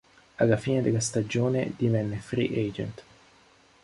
Alla fine della stagione divenne free agent.